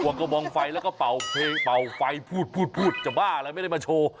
กระบองไฟแล้วก็เป่าเพลงเป่าไฟพูดพูดจะบ้าอะไรไม่ได้มาโชว์